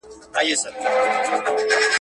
له خپلو ویرو څخه مه تښتېږئ.